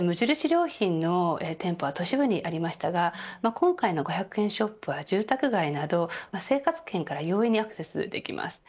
良品の店舗は都市部にありましたが今回の５００円ショップは住宅街など生活圏から容易にアクセスできます。